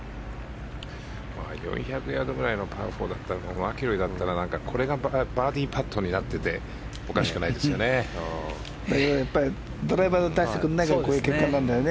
４００ヤードくらいのパー４だったらマキロイだったらこれがバーディーパットになっててもおかしくないですよね。